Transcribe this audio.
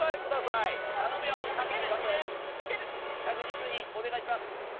確実にお願いします。